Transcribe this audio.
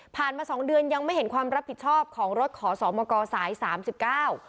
มาสองเดือนยังไม่เห็นความรับผิดชอบของรถขอสอบมกสายสามสิบเก้า